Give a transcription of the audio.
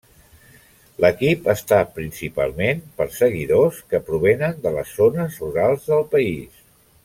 L'equip està principalment per seguidors que provenen de les zones rurals del país.